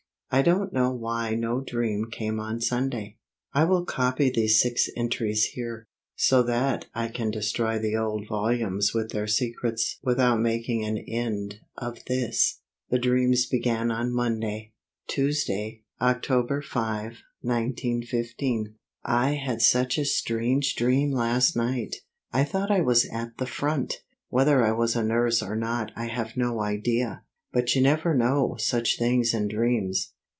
I don't know why no dream came on Sunday. I will copy these six entries here, so that I can destroy the old volumes with their secrets without making an end of this. The dreams began on Monday. Tuesday, October 5, 1915. I had such a strange dream last night. I thought I was at the front. Whether I was a nurse or not I have no idea; but you never know such things in dreams.